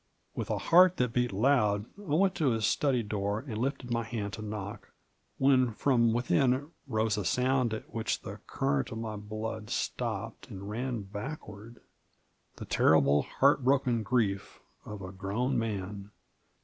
With a heart that beat loud I went to his study door and lifted my hand to knock, when from within rose a sound at which the current of my blood stopped and ran backward — the terrible, heart broken grief of a grown man.